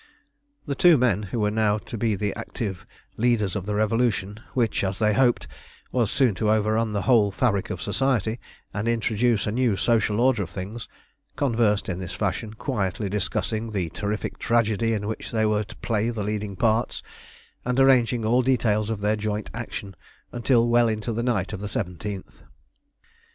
The two men, who were now to be the active leaders of the Revolution which, as they hoped, was soon to overturn the whole fabric of Society, and introduce a new social order of things, conversed in this fashion, quietly discussing the terrific tragedy in which they were to play the leading parts, and arranging all the details of their joint action, until well into the night of the 17th.